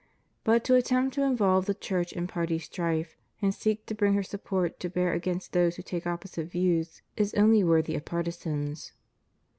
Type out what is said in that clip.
But to attempt to involve the Church in party strife, and seek to bring her support to bear against those who take opposite views, is only worthy of partisans.